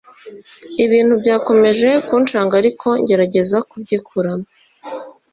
ibintu byakomeje kunshaga ariko ngerageza kubyikuramo